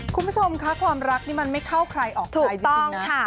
คุณผู้ชมค่ะความรักนี่มันไม่เข้าใครออกถูกต้องค่ะ